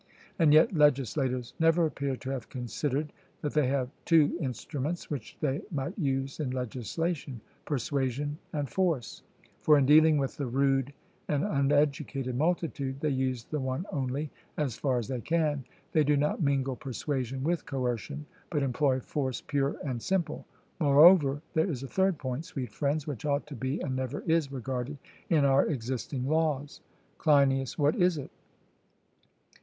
And yet legislators never appear to have considered that they have two instruments which they might use in legislation persuasion and force; for in dealing with the rude and uneducated multitude, they use the one only as far as they can; they do not mingle persuasion with coercion, but employ force pure and simple. Moreover, there is a third point, sweet friends, which ought to be, and never is, regarded in our existing laws. CLEINIAS: What is it?